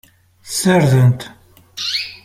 Ssardent.